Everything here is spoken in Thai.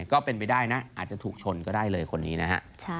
ก็เป็นไปได้นะอาจจะถูกชนก็ได้เลยคนนี้นะฮะ